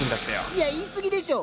いや言い過ぎでしょ！